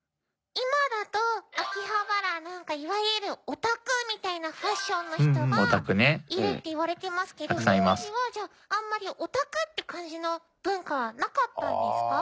今だと秋葉原いわゆるオタクみたいなファッションの人がいるっていわれてますけど当時はあんまりオタクって感じの文化はなかったんですか？